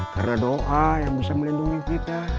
karena doa yang bisa melindungi kita